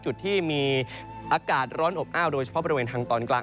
จุดที่มีอากาศร้อนอบอ้าวโดยเฉพาะบริเวณทางตอนกลาง